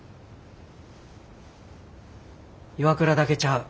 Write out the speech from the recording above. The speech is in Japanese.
岩倉だけちゃう。